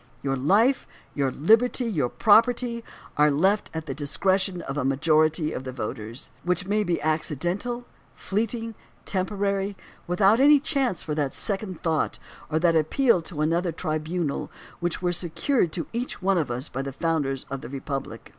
Your life, your liberty, your property, are left at the discretion of a majority of the voters, which may be accidental, fleeting, temporary, without any chance for that second thought or that appeal to another tribunal which were secured to each one of us by the founders of the Re public.